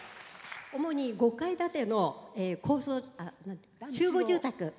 主に５階建ての集合住宅。